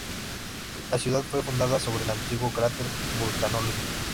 La ciudad fue fundada sobre un antiguo cráter vulcanológico.